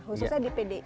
khususnya di pdk